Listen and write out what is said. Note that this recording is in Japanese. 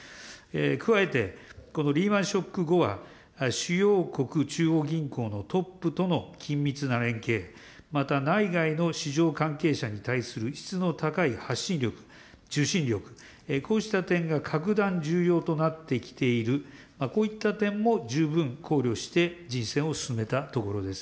加えて、このリーマンショック後は、主要国中央銀行トップとの緊密な連携、また内外の市場関係者に対する質の高い発信力、受信力、こうした点が格段重要となってきている、こういった点も十分考慮して人選を進めたところです。